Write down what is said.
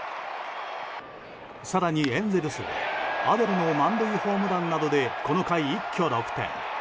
更にエンゼルスはアデルの満塁ホームランなどでこの回、一挙６点。